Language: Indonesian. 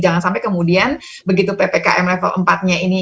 jangan sampai kemudian begitu ppkm level empat nya ini